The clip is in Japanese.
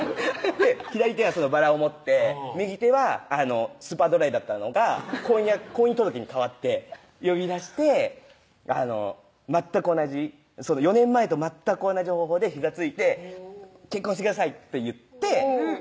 左手はそのバラを持って右手は「スーパードライ」だったのが婚姻届に変わって呼び出して全く同じ４年前と全く同じ方法でひざついて「結婚してください」って言ってそ